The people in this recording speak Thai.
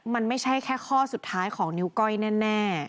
มันไม่ใช่แค่ข้อสุดท้ายของนิ้วก้อยแน่